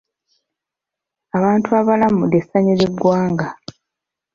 Abantu abalamu ly'essanyu ly'eggwanga.